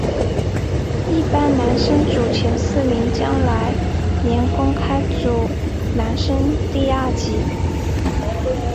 一般男生组前四名将来年公开组男生第二级。